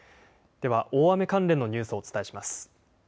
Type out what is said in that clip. では、大雨関連のニュースをお伝えします。